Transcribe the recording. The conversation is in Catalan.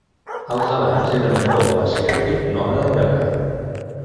Els alans eren un poble asiàtic nòmada i guerrer.